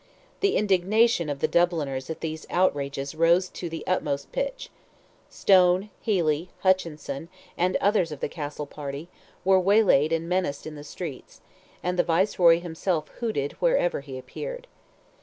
The indignation of the Dubliners at these outrages rose to the utmost pitch. Stone, Healy, Hutchinson, and others of the Castle party, were waylaid and menaced in the streets, and the Viceroy himself hooted wherever he appeared.